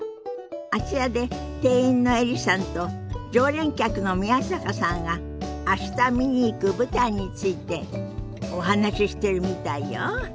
あちらで店員のエリさんと常連客の宮坂さんが明日見に行く舞台についてお話ししてるみたいよ。